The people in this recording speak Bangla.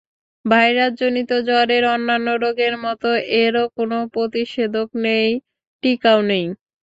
ভাইরাসজনিত জ্বরের অন্যান্য রোগের মতো এরও কোনো প্রতিষেধক নেই, টিকাও নেই।